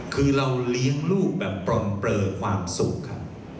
คือเราเลี้ยงลูกแบบปล่อมเปลือความสุขครับ